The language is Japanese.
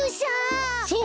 そう！